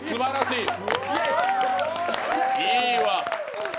いいわ！